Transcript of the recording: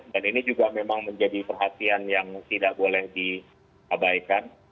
dan ini juga memang menjadi perhatian yang tidak boleh diabaikan